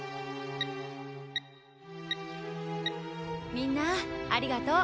みんなありがとう。